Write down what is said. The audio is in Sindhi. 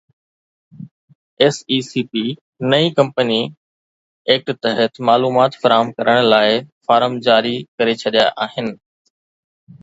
ايس اي سي پي نئين ڪمپني ايڪٽ تحت معلومات فراهم ڪرڻ لاءِ فارم جاري ڪري ڇڏيا آهن